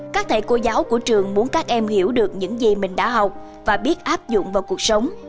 các thầy cô giáo của trường muốn các em hiểu được những gì mình đã học và biết áp dụng vào cuộc sống